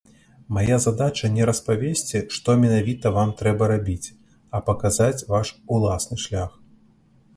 Мая задача не распавесці, што менавіта вам трэба рабіць, а паказаць ваш уласны шлях.